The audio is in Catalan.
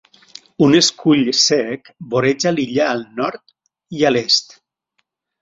Un escull sec voreja l'illa al nord i a l'est.